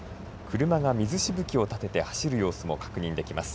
車が水しぶきを立てて走る様子も確認できます。